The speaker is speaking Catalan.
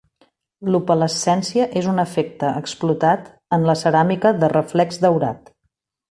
L'opalescència és un efecte explotat en la ceràmica de reflex daurat.